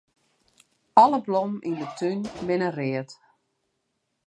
Alle blommen yn 'e tún binne read.